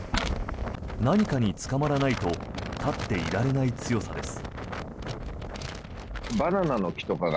何かにつかまらないと立っていられない強さです。